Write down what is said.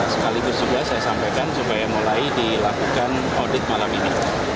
sekaligus juga saya sampaikan supaya mulai dilakukan audit malam ini